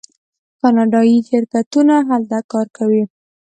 کاناډایی شرکتونه هلته کار کوي.